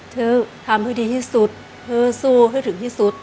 เธอทำให้ดีที่สุดเธอสู้ให้ถึงที่สุด